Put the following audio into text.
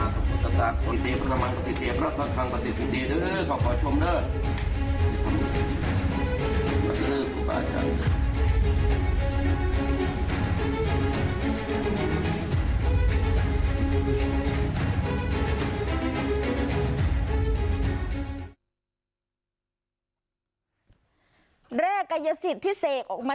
อาจารย์ต้องเรียกจากไหนมา